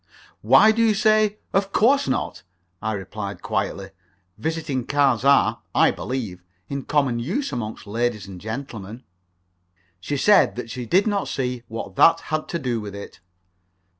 "Why do you say 'of course not'?" I replied, quietly. "Visiting cards are, I believe, in common use among ladies and gentlemen." She said she did not see what that had to do with it.